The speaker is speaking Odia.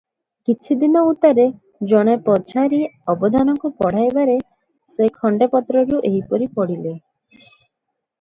କିଛିଦିନ ଉତ୍ତାରେ ଜଣେ ପଝାରି ଅବଧାନକୁ ପଢ଼ାଇବାରେ ସେ ଖଣ୍ତେ ପତ୍ରରୁ ଏହିପରି ପଢ଼ିଲେ -